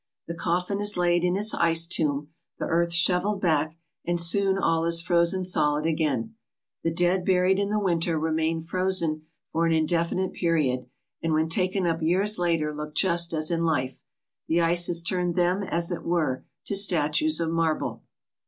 The coffin is laid in its ice tomb, the earth shovelled back, and soon all is frozen solid again. The dead buried in the winter remain frozen for an indefinite period, and when taken up years later look just as in life. The ice has turned them, as it were, to statues of marble."